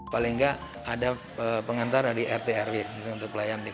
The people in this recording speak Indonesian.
paling nggak ada pengantar di rt rw untuk pelayanan